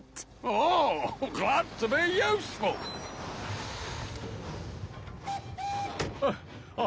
ああ。